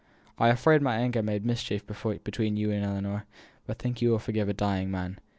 I am afraid my anger made mischief between you and Ellinor, but I think you will forgive a dying man.